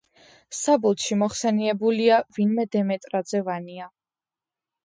საბუთში მოხსენიებულია ვინმე დემეტრაძე ვანია.